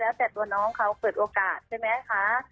แล้วแต่ตัวน้องเขาเปิดโอกาสใช่ไหมคะ